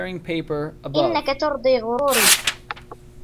إنك ترضي غروري.